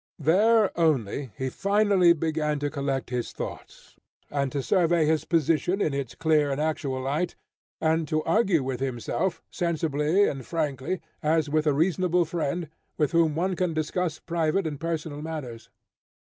There only, he finally began to collect his thoughts, and to survey his position in its clear and actual light, and to argue with himself, sensibly and frankly, as with a reasonable friend, with whom one can discuss private and personal matters.